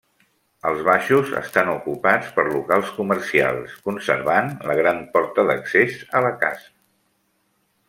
Els baixos estan ocupats per locals comercials, conservant la gran porta d'accés a la casa.